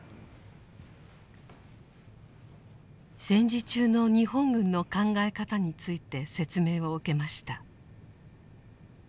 戦時中の日本軍の考え方について説明を受けました。